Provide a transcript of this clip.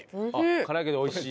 辛いけど美味しい。